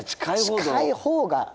近い方が。